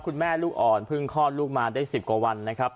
คุณแม่ลูกองค์ค่อนพึ่งคลอดลูกมาได้๑๐กว่าวันนะครับ